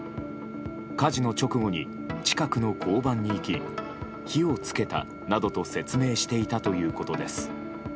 火事の直後に近くの交番に行き火を付けたなどと説明していたということです。